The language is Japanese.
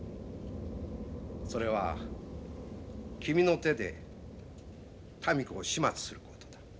それは君の手で民子を始末する事だ。